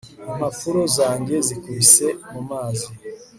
impapuro zanjye zikubise mumazi